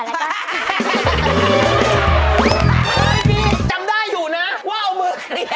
พี่จำได้อยู่นะว่าเอามือกันเหยียบไป